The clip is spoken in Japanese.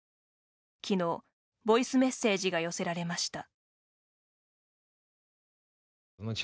きのう、ボイスメッセージが寄せられました。